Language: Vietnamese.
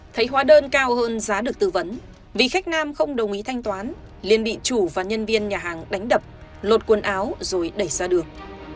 thấy hóa đơn cao hơn giá được tư vấn vì khách nam không đồng ý thanh toán liên bị chủ và nhân viên nhà hàng đánh đập lột quần áo rồi đẩy ra đường